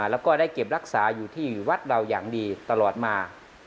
แล้วก็ได้เก็บรักษาอยู่ที่วัดเราอย่างดีตลอดมา